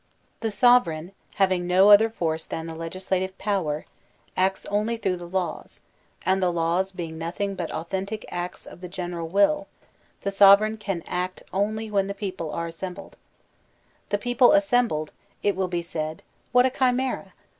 The sovereign, having no other force than the legisla tive i>ower, acts only through the laws; and the laws be ing nothing but authentic acts of the general will, the sovereign can act only when the people are assembled. The people assembled, it will be said: what a chimera!